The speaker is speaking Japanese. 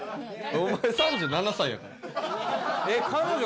お前３７歳やから。